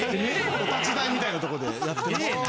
お立ち台みたいなとこでやってましたね。